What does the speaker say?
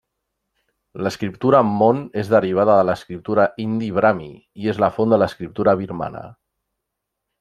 L'escriptura mon és derivada de l'escriptura indi brahmi, i és la font de l'escriptura birmana.